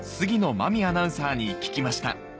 真実アナウンサーに聞きました